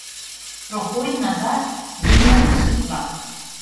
Прокой, Назар — единоличник-влак.